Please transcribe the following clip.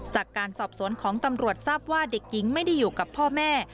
จากการสอบสวนของตำรวจทราบว่าเด็กหญิงไม่ได้อยู่กับพ่อแม่